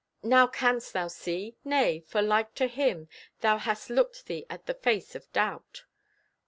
Now canst thou see? Nay, for like to him Thou hast looked thee at the face of Doubt.